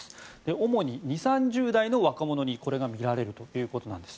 主に２０３０代の若者にこれがみられるということです。